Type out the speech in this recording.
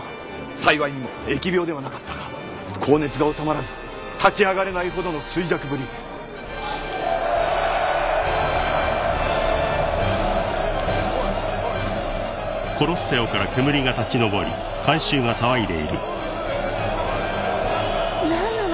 幸いにも疫病ではなかったが高熱が治まらず立ち上がれないほどの衰弱ぶり何なの？